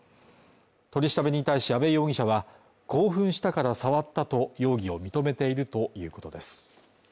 取り調べに対し阿部容疑者は興奮したから触ったと容疑を認めているということです。